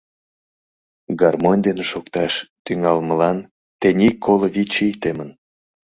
Гармонь дене шокташ тӱҥалмылан тений коло вич ий темын.